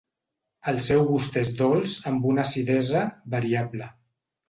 El seu gust és dolç amb una acidesa variable.